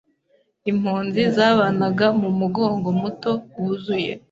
Impunzi zabanaga mumugongo muto, wuzuye